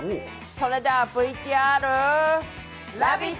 それではＶＴＲ、「ラヴィット！」